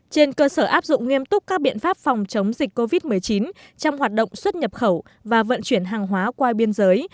trên cơ sở áp dụng nghiêm túc các biện pháp phòng chống dịch covid một mươi chín trong hoạt động xuất nhập khẩu và vận chuyển hàng hóa qua biên giới